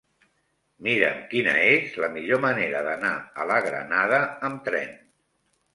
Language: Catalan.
Mira'm quina és la millor manera d'anar a la Granada amb tren.